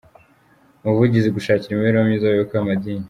mu buvugizi gushakira imibereho myiza abayoboke b’amadini